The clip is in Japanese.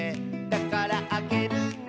「だからあげるね」